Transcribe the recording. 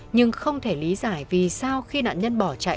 nhưng không thể lý giải vì sao khi nạn nhân bỏ chạy